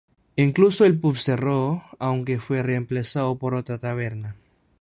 Incluso el pub cerró, aunque fue reemplazado por otra taberna.